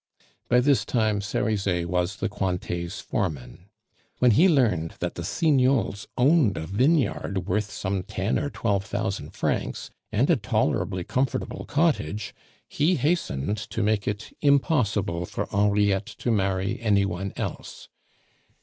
By this time Cerizet was the Cointet's foreman. When he learned that the Signols owned a vineyard worth some ten or twelve thousand francs, and a tolerably comfortable cottage, he hastened to make it impossible for Henriette to marry any one else.